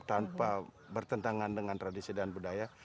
tanpa bertentangan dengan tradisi dan budaya